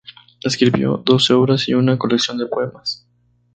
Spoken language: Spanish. Escribió doce obras y una colección de poemas.